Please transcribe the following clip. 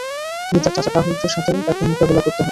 তিনি তার চাচা কাভুর্টের সাথে তাকে মোকাবেলা করতে হয়।